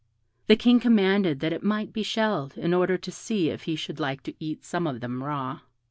The King commanded that it might be shelled, in order to see if he should like to eat some of them raw.